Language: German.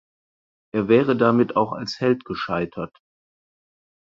Er wäre damit auch als Held gescheitert.